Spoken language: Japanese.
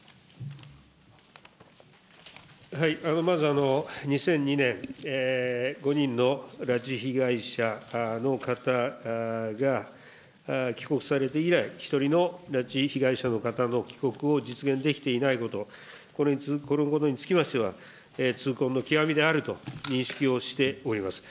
まず、２００２年、５人の拉致被害者の方が帰国されて以来、一人の拉致被害者の方の帰国を実現できていないこと、このことにつきましては、痛恨の極みであると認識をしております。